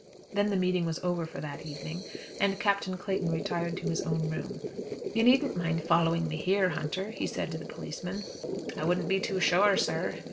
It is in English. Then the meeting was over for that evening, and Captain Clayton retired to his own room. "You needn't mind following me here, Hunter," he said to the policeman. "I wouldn't be too sure, sir."